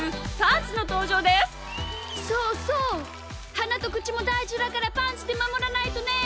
はなとくちもだいじだからパンツでまもらないとね！